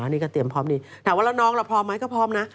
นี่กระเตียมพร้อมดีถ้าว่าน้องเราพร้อมไหมก็พร้อมน่ะ